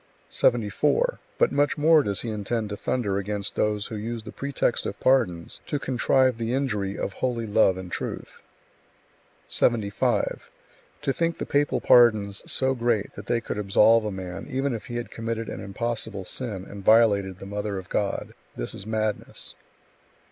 74. But much more does he intend to thunder against those who use the pretext of pardons to contrive the injury of holy love and truth. 75. To think the papal pardons so great that they could absolve a man even if he had committed an impossible sin and violated the Mother of God this is madness.